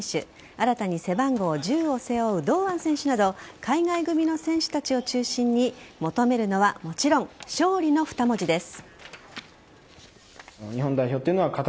新たに背番号１０を背負う堂安選手など海外組の選手たちを中心に求めるのはもちろん勝利の２文字です。